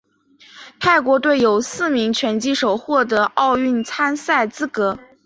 泰国队有四名拳击手获得奥运参赛资格。